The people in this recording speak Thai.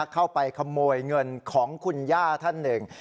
เข้าไปขโมยเงินของคุณย่าท่านหนึ่ง